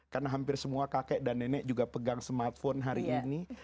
karena hampir semua kakek dan nenek juga pegang smartphone hari ini